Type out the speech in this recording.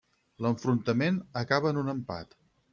L'enfrontament acaba en un empat.